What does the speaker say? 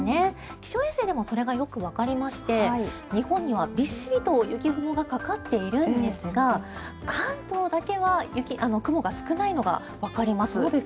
気象衛星でもそれがよくわかりまして日本にはびっしりと雪雲がかかっているんですが関東だけは雲が少ないのがわかります。